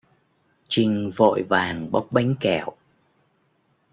Trinh vội vàng bóc Bánh Kẹo